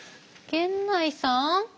源内さん。